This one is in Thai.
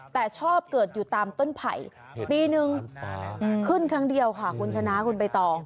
แต่ชอบเกิดอยู่ตามต้นไผ่ปีนึงขึ้นครั้งเดียวค่ะคุณชนะคุณใบตอง